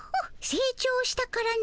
せい長したからの。